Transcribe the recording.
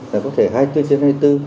phải có thể hai mươi bốn trên hai mươi bốn